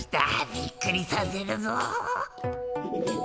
びっくりさせるぞ。